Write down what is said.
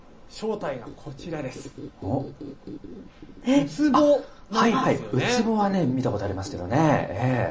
ウツボはね、見たことありますけどね。